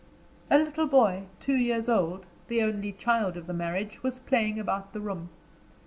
A little boy, two years old, the only child of the marriage, was playing about the room.